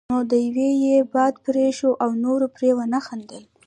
نو د يوه یې باد پرې شو او نورو پرې ونه خندل.